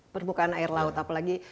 permukaan air laut apalagi